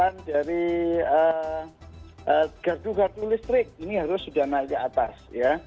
kemudian dari gardu gardu listrik ini harus sudah naik ke atas ya